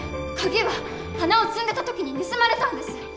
カギは花を摘んでた時に盗まれたんです！